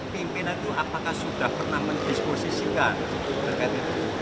pimpinan itu apakah sudah pernah mendisposisikan terkait itu